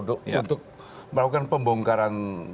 untuk melakukan pembongkaran